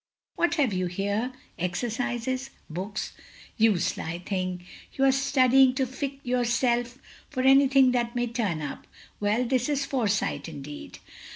What have you here? Exercises! Books! You sly thing; you are studying to fit yotirself for any thing that may turn up! Well, this is foresight indeed!"